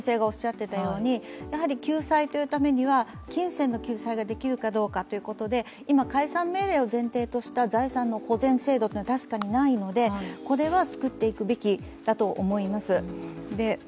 救済というためには、金銭の救済ができるかどうかということで今、解散命令を前提とした財産の保全制度は確かにないのでこれはつくっていくべきだと思います。